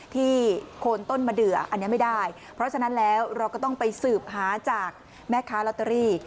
โคนต้นมะเดืออันนี้ไม่ได้เพราะฉะนั้นแล้วเราก็ต้องไปสืบหาจากแม่ค้าลอตเตอรี่